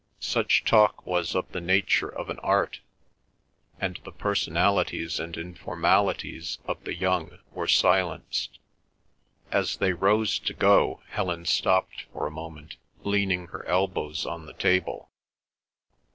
Such talk was of the nature of an art, and the personalities and informalities of the young were silenced. As they rose to go, Helen stopped for a moment, leaning her elbows on the table.